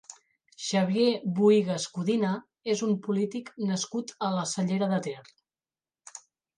Xavier Boïgues Codina és un polític nascut a la Cellera de Ter.